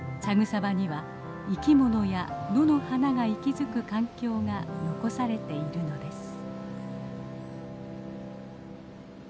草場には生きものや野の花が息づく環境が残されているのです。